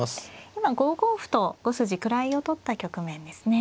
今５五歩と５筋位を取った局面ですね。